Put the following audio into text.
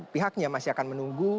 pihaknya masih akan menunggu